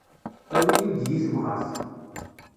Awi udi i tamɣart.